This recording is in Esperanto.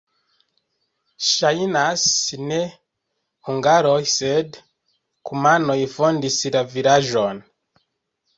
Ŝajnas, ne hungaroj, sed kumanoj fondis la vilaĝon.